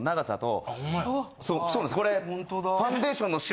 そうなんですこれ。